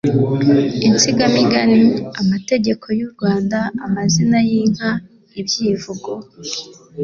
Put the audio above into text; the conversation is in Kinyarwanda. insigamigani, amateka y'u Rwanda, amazina y'inka, ibyivugo,